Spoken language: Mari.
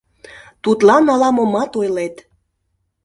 Тудлан ала-момат ойлет.